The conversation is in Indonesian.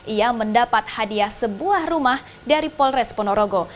ia mendapat hadiah sebuah rumah dari polres ponorogo